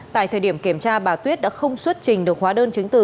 tại thời điểm kiểm tra bà tuyết đã không xuất trình được hóa đơn chứng từ